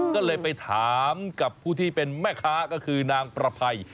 ก็เลยไปถามกับผู้ที่เป็นแม่ค้าก็คือนางประภัย